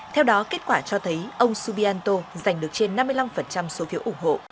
theo đó kết quả cho thấy ông subianto giành được trên năm mươi năm số phiếu ủng hộ